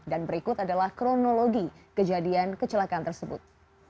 dan berikut adalah kronologi kejadian kecelakaan tersebut